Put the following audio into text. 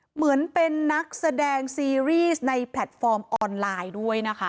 เหมือนเป็นนักแสดงซีรีส์ในแพลตฟอร์มออนไลน์ด้วยนะคะ